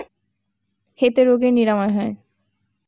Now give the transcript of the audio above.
এতে রোগের নিরাময় হয়।